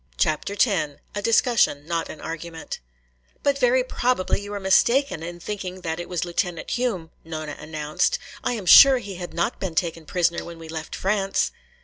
CHAPTER X A Discussion, not an Argument "But very probably you were mistaken in thinking it was Lieutenant Hume," Nona announced. "I am sure he had not been taken prisoner when we left France."